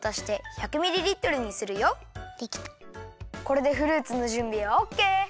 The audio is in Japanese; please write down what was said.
これでフルーツのじゅんびはオッケー！